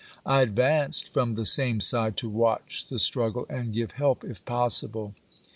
I advanced from the same side to watch the struggle and give help if possible.